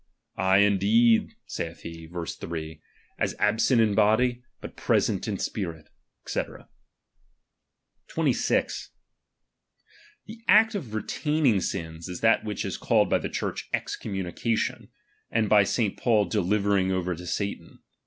/ indeed, saith he (verse 3), as absent in body, but present in Spirit, &c. ™ 26, The act of retaining sins is that which is um' called by the Church excommunication, and by St. ™' Paul delivering orer to Satan.